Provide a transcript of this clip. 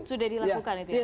sudah dilakukan itu ya